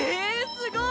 すごーい